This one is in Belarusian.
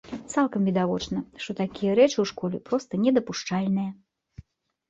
Цалкам відавочна, што такія рэчы ў школе проста недапушчальныя!